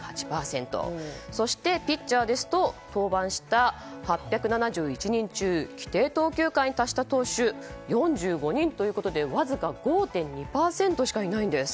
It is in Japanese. そして、ピッチャーですと登板した８７１人中規定投球回に達した投手４５人ということでわずか５．２％しかいないんです。